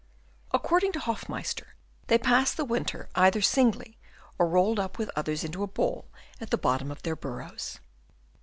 According to Hoffmeister they pass the winter either singly or rolled up with others into a ball at the bottom of their burrows.